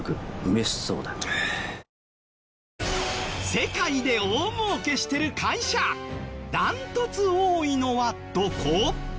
世界で大儲けしてる会社ダントツ多いのはどこ？